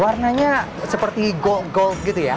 warnanya seperti gol gold gitu ya